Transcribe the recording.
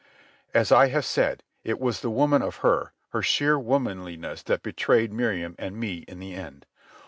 As I have said, it was the woman of her, her sheer womanliness, that betrayed Miriam and me in the end.